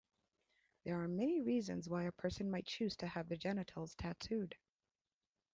There are many reasons why a person might choose to have their genitals tattooed.